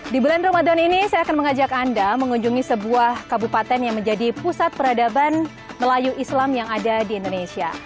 dan ramadan ini saya akan mengajak anda mengunjungi sebuah kabupaten yang menjadi pusat peradaban melayu islam yang ada di indonesia